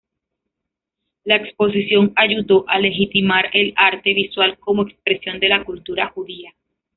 La exposición ayudó a legitimar el arte visual como expresión de la cultura judía.